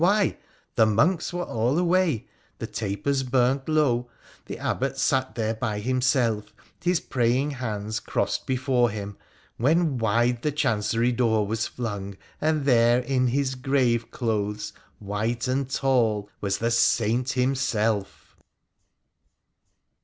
' Why, the monks were all away — the tapers burnt low — the Abbot sat there by himself, his praying hands crossed before him — when wide the chancery door was flung, and there, in his grave clothes white and tall, was the saint himself